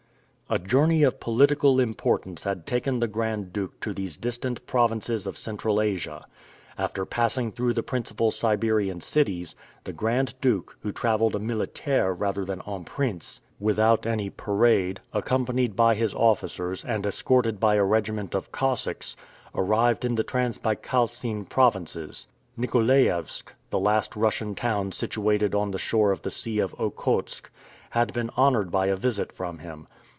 A journey of political importance had taken the Grand Duke to these distant provinces of Central Asia. After passing through the principal Siberian cities, the Grand Duke, who traveled en militaire rather than en prince, without any parade, accompanied by his officers, and escorted by a regiment of Cossacks, arrived in the Trans Baikalcine provinces. Nikolaevsk, the last Russian town situated on the shore of the Sea of Okhotsk, had been honored by a visit from him.